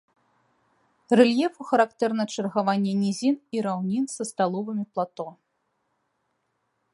Рэльефу характэрна чаргаванне нізін і раўнін са сталовымі плато.